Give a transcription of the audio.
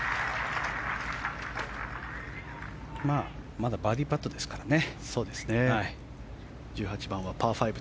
まだバーディーパットですからね。